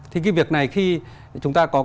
thì việc này khi chúng ta có